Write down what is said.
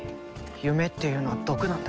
夢っていうのは毒なんだ。